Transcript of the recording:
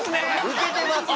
ウケてますよ。